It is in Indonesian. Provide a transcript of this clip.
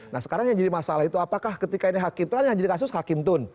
nah sekarang yang jadi masalah itu apakah ketika ini hakim tuan yang jadi kasus hakim tun